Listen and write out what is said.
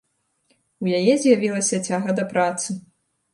У яе з'явілася цяга да працы.